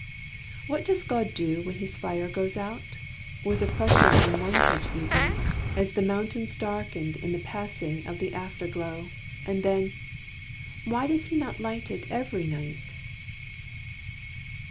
"What does God do when His fire goes out?" was a question on one such evening, as the mountains darkened in the passing of the after glow; and then: "Why does He not light it every night?"